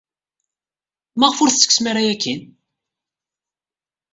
Maɣef ur tettekksem ara aya akkin?